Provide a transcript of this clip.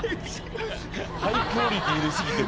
ハイクオリティー入れ過ぎて。